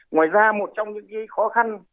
ngoài ra một trong những khó khăn